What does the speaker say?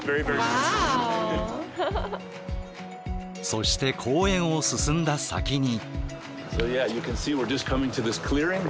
そして公園を進んだ先に。